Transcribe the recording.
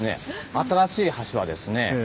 新しい橋はですね